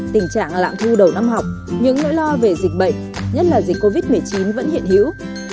tình trạng lạm thu đầu năm học những nỗi lo về dịch bệnh nhất là dịch covid một mươi chín vẫn hiện hữu